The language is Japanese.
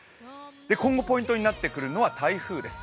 今後、ポイントになってくるのは台風です。